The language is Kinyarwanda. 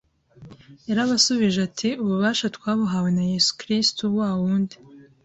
yarabashubije ati ububasha twabuhawe na Yesu Kristo wa wundi